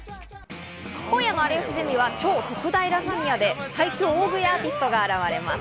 今夜の『有吉ゼミ』は超特大ラザニアで最強大食いアーティストが現れます。